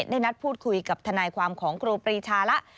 ได้นัดพูดคุยกับทนายความของครูปรีชาแล้ว